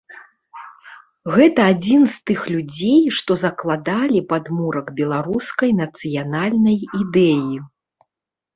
Гэта адзін з тых людзей, што закладалі падмурак беларускай нацыянальнай ідэі.